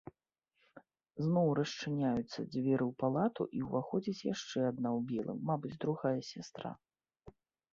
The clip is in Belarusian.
Зноў расчыняюцца дзверы ў палату, і ўваходзіць яшчэ адна ў белым, мабыць, другая сястра.